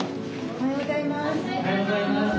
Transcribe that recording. おはようございます。